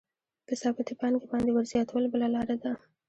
په ثابتې پانګې باندې ورزیاتول بله لاره ده